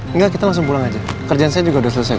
enggak kita langsung pulang aja kerjaan saya juga udah selesai